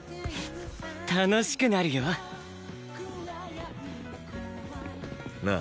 楽しくなるよ！なあ。